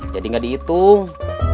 jadi enggak dihitung